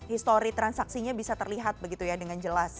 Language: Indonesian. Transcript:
histori transaksinya bisa terlihat begitu ya dengan jelas